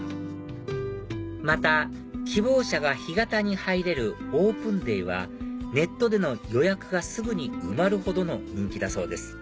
また希望者が干潟に入れるオープンデイはネットでの予約がすぐに埋まるほどの人気だそうです